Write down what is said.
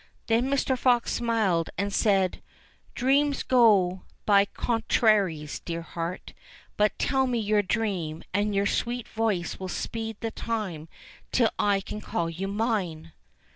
'* Then Mr. Fox smiled and said, "Dreams go by con traries, dear heart ; but tell me your dream, and your sweet voice will speed the time till I can call you mine."